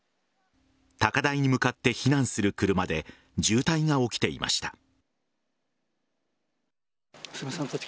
高台に向かって避難する車で渋滞が起きていました。